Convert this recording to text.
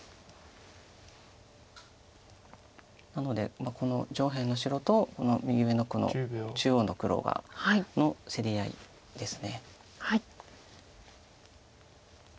なのでこの上辺の白と右上のこの中央の黒の競り合いです。